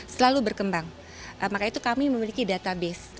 selalu berkembang maka itu kami memiliki database